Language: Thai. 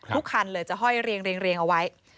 คันเลยจะห้อยเรียงเอาไว้